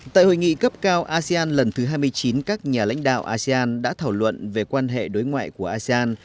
tại hội nghị cấp cao asean lần thứ hai mươi chín các nhà lãnh đạo asean đã thảo luận về quan hệ đối ngoại của asean